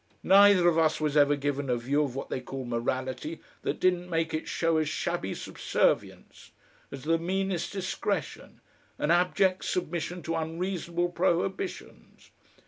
Neither of us was ever given a view of what they call morality that didn't make it show as shabby subservience, as the meanest discretion, an abject submission to unreasonable prohibitions!